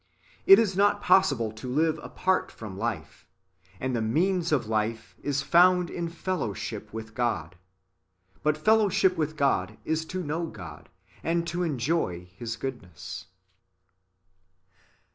It is not possible to live apart from life, and the means of life is found in fellowship with God ; but fellow ship with God is to know God, and to enjoy His goodness.